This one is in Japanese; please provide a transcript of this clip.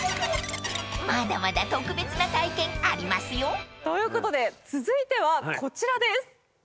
［まだまだ特別な体験ありますよ］ということで続いてはこちらです。